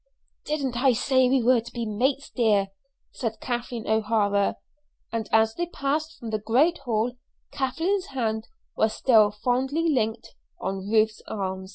"Didn't I say we were to be mates, dear?" said Kathleen O'Hara; and as they passed from the great hall, Kathleen's hand was still fondly linked on Ruth's arm.